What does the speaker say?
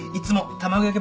卵焼き。